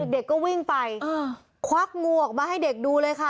เด็กก็วิ่งไปควักงูออกมาให้เด็กดูเลยค่ะ